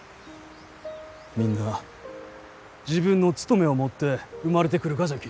みんな自分の務めを持って生まれてくるがじゃき。